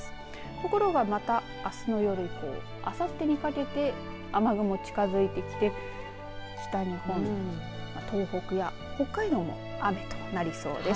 ところが、またあすの夜以降あさってにかけて雨雲近づいてきて北日本東北や北海道も雨となりそうです。